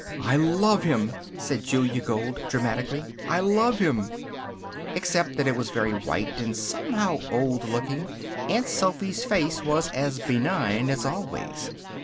"I love him," said Julia Gold, dramatically. "I love him!" Except that it was very white and, somehow, old looking, Aunt Sophy's face was as benign as always.